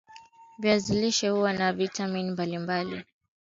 viazi lishe huwa na vitamini ambayo ni muhimu kwa afya ya mwili